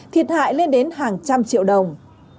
thiệt hại lên đến hàng trăm triệu đồng